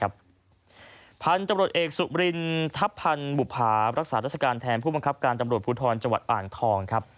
พันธุ์ตำรวจเอกสุบรินทัพพันธ์บุภารักษาราชการแทนผู้บังคับการตำรวจภูทรจังหวัดอ่างทองครับ